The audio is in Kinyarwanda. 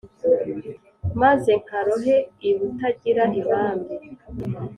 Maze nkarohe ibutagira ibambe